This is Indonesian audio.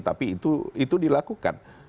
tapi itu dilakukan